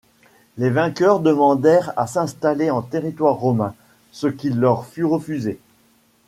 Les vainqueurs demandèrent à s'installer en territoire romain, ce qui leur fut refusé.